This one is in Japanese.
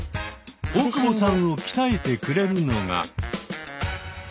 大久保さんを鍛えてくれるのが。